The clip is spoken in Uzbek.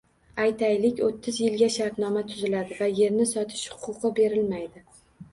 Aytaylik, o'ttiz yilga shartnoma tuziladi va yerni sotish huquqi berilmaydi.